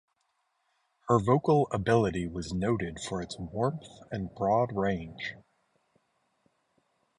Her vocal ability was noted for its warmth and board range.